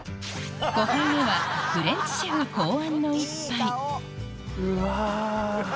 ５杯目はフレンチシェフ考案の１杯うわ。